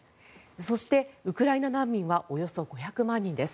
そして、ウクライナ難民はおよそ５００万人です。